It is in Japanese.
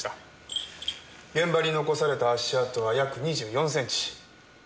現場に残された足跡は約２４センチ。